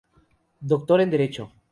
Doctor en Derecho.